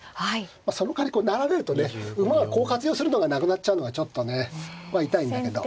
そのかわりこう成られるとね馬がこう活用するのがなくなっちゃうのがちょっとね痛いんだけど。